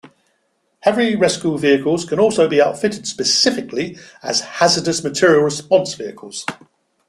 Heavy rescue vehicles can also be outfitted specifically as hazardous material response vehicles.